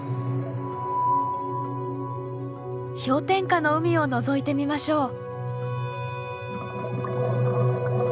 氷点下の海をのぞいてみましょう。